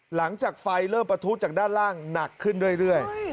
หลังจากไฟเริ่มประทุจากด้านล่างหนักขึ้นเรื่อย